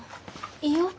いいよ。